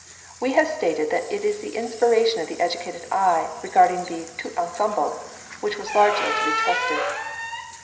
We have stated that it is the inspiration of the educated eye regarding the tout ensemble which was largely to be trusted.